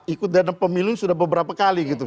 ikut dalam pemilu sudah beberapa kali gitu